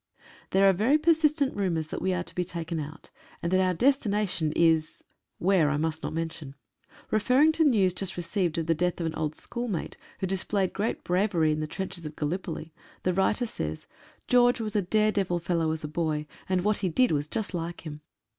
There are very persistent rumours that we are to be taken out, and that our destination is — where, I must not mention. Referring to news just received of the death of an old school mate, who displayed great bravery 140 IMPENDING CHANGES. in the trenches at Gallipoli. the writer says : George was a daredevil fellow as a boy. and what he did was just like him.